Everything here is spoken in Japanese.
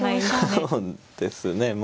そうですね。